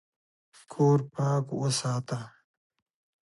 کور پاک وساته